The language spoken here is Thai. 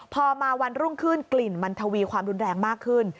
พอมาวันรุ่งขึ้นกลิ่นมันทวีความรุนแรงมากขึ้น